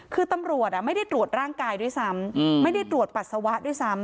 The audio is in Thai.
คือตำรวจไม่ได้ตรวจร่างกายด้วยซ้ำไม่ได้ตรวจปัสสาวะด้วยซ้ำ